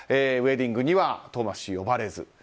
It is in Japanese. ウェディングにはトーマス氏呼ばれず。